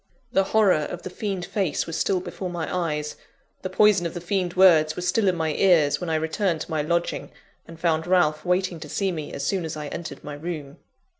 The horror of the fiend face was still before my eyes, the poison of the fiend words was still in my ears, when I returned to my lodging, and found Ralph waiting to see me as soon as I entered my room.